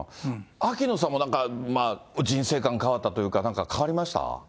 秋野さんもなんか、人生観変わったというか、なんか変わりました？